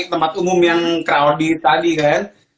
tempat umum yang crowdy tadi kan